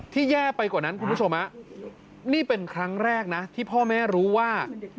แย่ไปกว่านั้นคุณผู้ชมนี่เป็นครั้งแรกนะที่พ่อแม่รู้ว่า